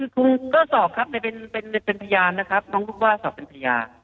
คงก็สอบครับเป็นพยานนะครับน้องพูดว่าสอบเป็นพยาน